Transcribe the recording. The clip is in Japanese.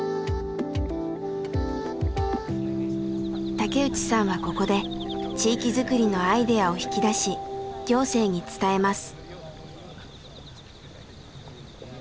竹内さんはここで地域づくりのアイデアを引き出し行政に伝えます。